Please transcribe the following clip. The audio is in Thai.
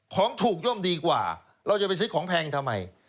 ของถูกย่อมดีกว่าเราจะไปซื้อของแพงทำไม